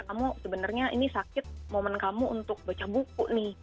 kamu sebenarnya ini sakit momen kamu untuk baca buku nih